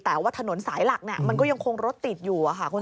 แต่ว่าถนนสายหลักมันก็ยังคงรถติดอยู่